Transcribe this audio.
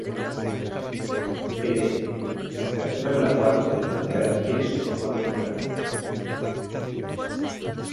Td: temperatura en la cual el material adquiere su forma temporal.